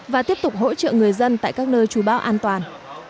và tiếp tục hỗ trợ người dân tại các nơi trú bão an toàn